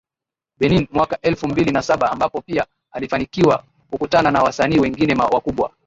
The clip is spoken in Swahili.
Benin mwaka elfu mbili na saba ambapo pia alifanikiwa kukutana na wasanii wengine wakubwa